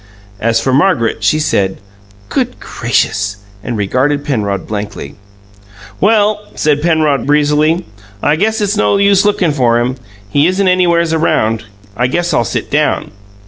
As for Margaret, she said, "Good gracious!" and regarded Penrod blankly. "Well," said Penrod breezily, "I guess it's no use lookin' for him he isn't anywheres around. I guess I'll sit down."